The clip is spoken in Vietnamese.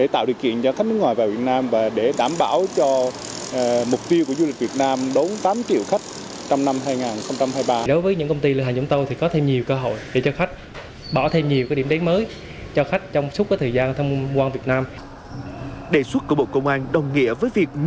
tại việt nam đã rất là ngắn rồi